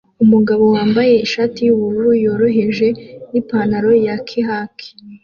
Umugabo wambaye ishati yubururu yoroheje n ipantaro ya khak